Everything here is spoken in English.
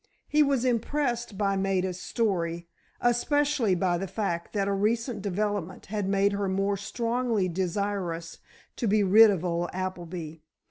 He was impressed by Maida's story, especially by the fact that a recent development had made her more strongly desirous to be rid of old Appleby.